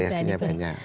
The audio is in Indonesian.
iya variasinya banyak